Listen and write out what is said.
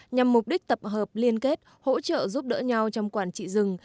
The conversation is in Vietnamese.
nhằm mục đích tập hợp liên kết hỗ trợ giúp đỡ nhau trong quản trị rừng